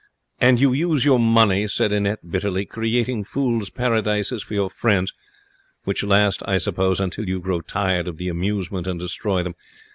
'And you use your money,' said Annette, bitterly, 'creating fools' paradises for your friends, which last, I suppose, until you grow tired of the amusement and destroy them.